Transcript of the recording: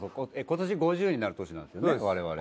今年５０になる年なんですよね我々。